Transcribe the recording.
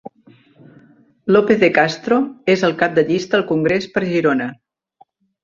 López de Castro és el cap de llista al congrés per Girona.